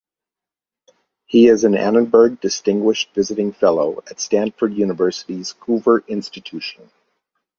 He is an Annenberg Distinguished Visiting Fellow at Stanford University's Hoover Institution.